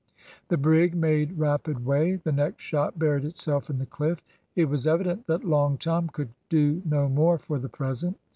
The brig made rapid way, the next shot buried itself in the cliff; it was evident that Long Tom could do no more for the present.